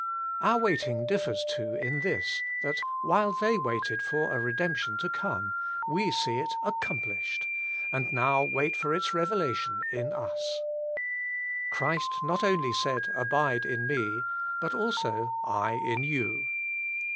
Our waiting differs too in this, that while they waited for a redemption to come, we see it accomplished, and now wait for its revelation in ti8. Christ not only said. Abide in Me, but also / in you.